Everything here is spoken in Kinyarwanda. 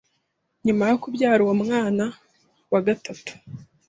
Nyuma yo kubyara uwo mwana wa gatatu,